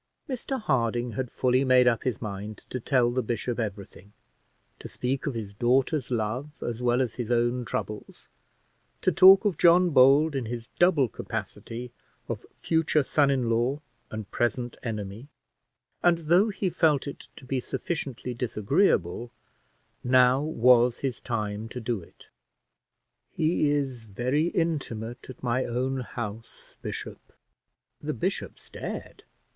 Mr Harding had fully made up his mind to tell the bishop everything; to speak of his daughter's love, as well as his own troubles; to talk of John Bold in his double capacity of future son in law and present enemy; and though he felt it to be sufficiently disagreeable, now was his time to do it. "He is very intimate at my own house, bishop." The bishop stared.